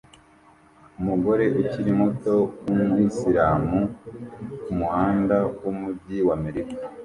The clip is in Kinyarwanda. Umugore ukiri muto wumuyisilamu kumuhanda wumujyi wa Amerika